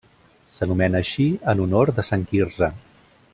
S'anomena així en honor de Sant Quirze.